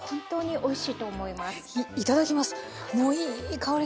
おいしい！